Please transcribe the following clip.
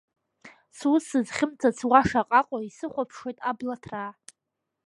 Сус сызхьымӡац уа шаҟаҟои, исыхәаԥшуеит абла ҭраа.